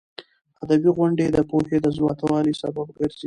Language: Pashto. ادبي غونډې د پوهې د زیاتوالي سبب ګرځي.